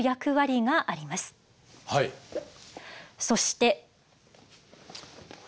そして。